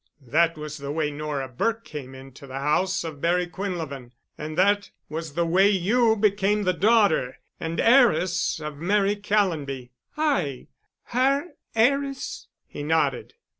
"That was the way Nora Burke came into the house of Barry Quinlevin, and that was the way you became the daughter and heiress of Mary Callonby." "I—her heiress?" He nodded.